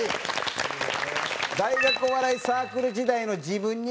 大学お笑いサークル時代の自分にですね